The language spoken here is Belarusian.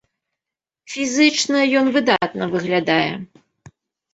Фізічна ён выдатна выглядае.